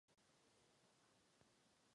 Velké pardubické ruského Grega.